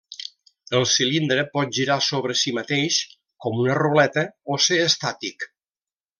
El cilindre pot girar sobre si mateix, com una ruleta, o ser estàtic.